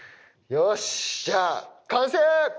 よしじゃあ完成！